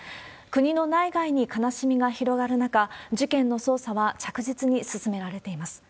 国の内外に悲しみが広がる中、事件の捜査は着実に進められています。